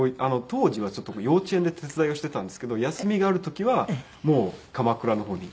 当時はちょっと幼稚園で手伝いをしていたんですけど休みがある時はもう鎌倉の方に。